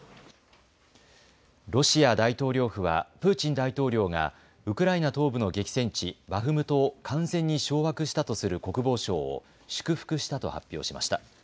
ロシア大統領府はプーチン大統領がウクライナ東部の激戦地バフムトを完全に掌握したとする国防省を祝福したと発表しました。